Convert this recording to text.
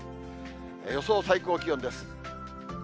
予想最高気温です。